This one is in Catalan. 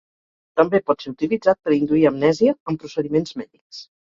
També pot ser utilitzat per induir amnèsia en procediments mèdics.